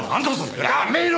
やめろ！